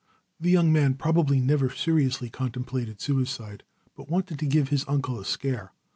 The young man probably never seriously contemplated suicide, but wanted to give his uncle a scare.